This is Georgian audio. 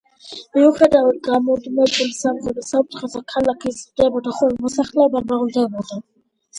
მიუხედავად გამუდმებული სამხედრო საფრთხისა, ქალაქი იზრდებოდა, ხოლო მოსახლეობა მრავლდებოდა.